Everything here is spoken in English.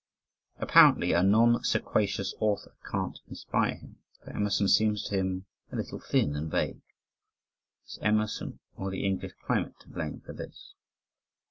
Apparently "a non sequacious author" can't inspire him, for Emerson seems to him a "little thin and vague." Is Emerson or the English climate to blame for this?